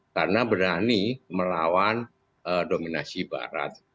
karena berani melawan dominasi barat